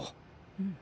うん。